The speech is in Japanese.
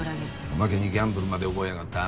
おまけにギャンブルまで覚えやがった。